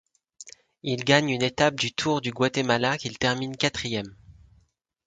Il gagne une étape du Tour du Guatemala qu'il termine quatrième.